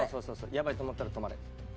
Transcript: やばいと思ったら止まれ。